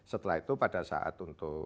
setelah itu pada saat untuk